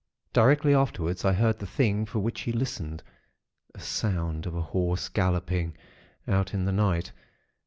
Directly afterwards, I heard the thing for which he listened—the sound of a horse galloping, out in the night.